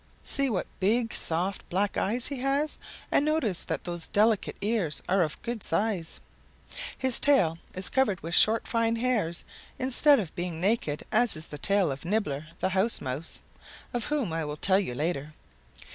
See what big, soft black eyes he has, and notice that those delicate ears are of good size. "His tail is covered with short fine hairs, instead of being naked as is the tail of Nibbler the House mouse, of whom I will tell you later.